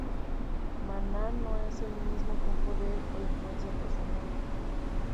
Mana no es lo mismo que un poder o influencia personal.